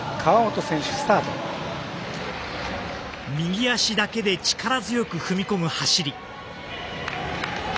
右足だけで力強く踏み込む走り。